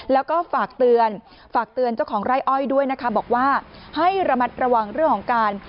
แล้วก็ฝากเตือนฝากเตือนเจ้าของไร่อ้อยด้วยนะคะบอกว่าให้ระมัดระวังเรื่องของการ